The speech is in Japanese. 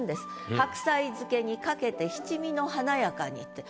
「白菜漬けにかけて七味の華やかに」って。